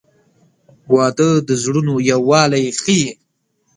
• واده د زړونو یووالی ښیي.